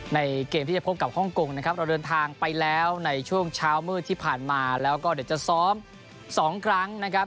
เกมที่จะพบกับฮ่องกงนะครับเราเดินทางไปแล้วในช่วงเช้ามืดที่ผ่านมาแล้วก็เดี๋ยวจะซ้อม๒ครั้งนะครับ